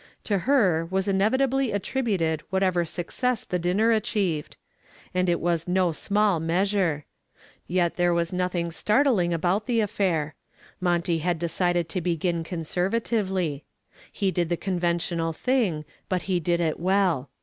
To her was inevitably attributed whatever success the dinner achieved. And it was no small measure. Yet there was nothing startling about the affair. Monty had decided to begin conservatively. He did the conventional thing, but he did it well.